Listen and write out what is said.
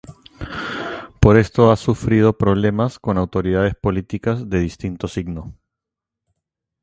Por esto ha sufrido problemas con autoridades políticas de distinto signo.